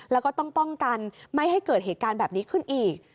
แล้วก็ต้องป้องกันไม่ให้เกิดเหตุการณ์แบบนี้ขึ้นอีก